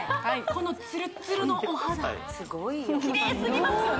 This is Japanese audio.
このツルッツルのお肌キレイすぎますよね